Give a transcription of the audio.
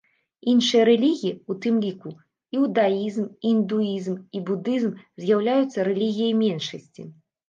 Іншыя рэлігіі, у тым ліку іудаізм, індуізм і будызм, з'яўляюцца рэлігіяй меншасці.